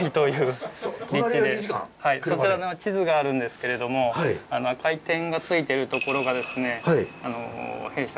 そちらに地図があるんですけれども赤い点がついているところがですね弊社